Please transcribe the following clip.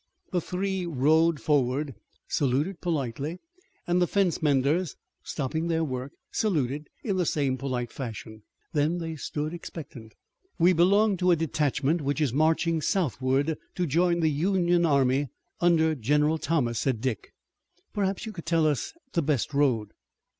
The three rode forward, saluted politely and the fence menders, stopping their work, saluted in the same polite fashion. Then they stood expectant. "We belong to a detachment which is marching southward to join the Union army under General Thomas," said Dick. "Perhaps you could tell us the best road."